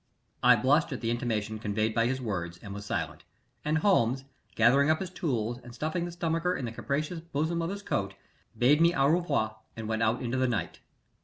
I blushed at the intimation conveyed by his words, and was silent; and Holmes, gathering up his tools and stuffing the stomacher in the capacious bosom of his coat, bade me au revoir, and went out into the night.